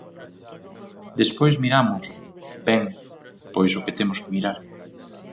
Despois miramos, ben, pois o que temos que mirar.